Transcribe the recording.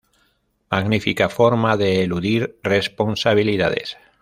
Magnífica forma de eludir responsabilidades